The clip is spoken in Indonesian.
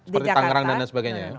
seperti tangerang dan lain sebagainya ya